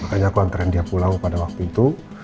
makanya aku nganterin dia pulang pada waktu itu